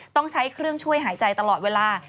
ต้องใช้เครื่องช่วยหายใจตลอดเวลา